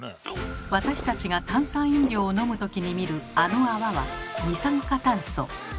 私たちが炭酸飲料を飲む時に見るあの泡は「二酸化炭素」。